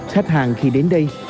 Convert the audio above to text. khách hàng khi đến đây